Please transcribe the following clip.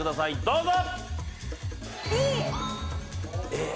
どうぞＢ！